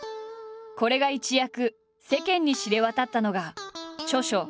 これが一躍世間に知れ渡ったのが著書